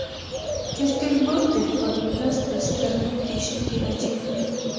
کرکټ بورډ د خپل ولس په سترګو کې شګې اچوي